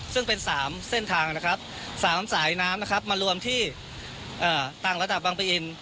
ซึ่งเป็น๓เส้นทางนะครับ๓สายน้ำนะครับมารวมที่ต่างระดับบางปะอิน